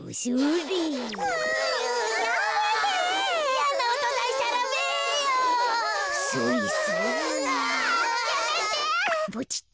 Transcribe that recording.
やめて！